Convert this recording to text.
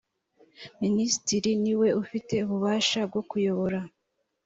minisitiri ni we ufite ububasha bwo kuyobora.